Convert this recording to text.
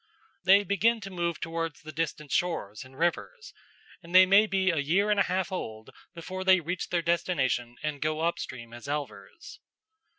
They begin to move towards the distant shores and rivers, and they may be a year and a half old before they reach their destination and go up stream as elvers.